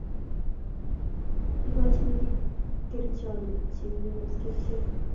ikochini kipkerichonde che imyondos kerichek